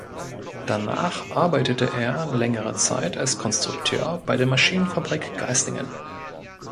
Danach arbeitete er längere Zeit als Konstrukteur bei der Maschinenfabrik Geislingen.